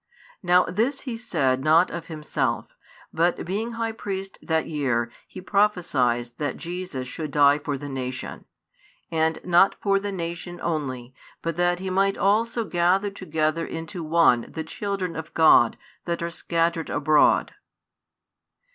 Now this he said not of himself: but being high priest that year, he prophesied that Jesus should die for the nation; and not for the nation only, but that He might also gather together into one the children of God that are scattered abroad.